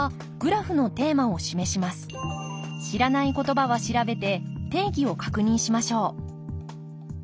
知らないことばは調べて定義を確認しましょう